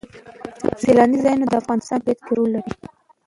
سیلاني ځایونه د افغانستان په طبیعت کې رول لري.